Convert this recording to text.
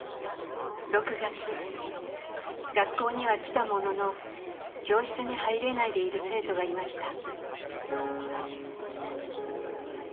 学校には来たものの教室に入れないでいる生徒がいました。